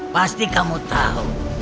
pasti kamu tahu